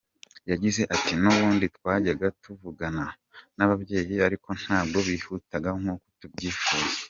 Yagize ati“ Nubundi twajyaga tuvugana n’ababyeyi ariko ntabwo byihutaga nk’uko tubyifuza.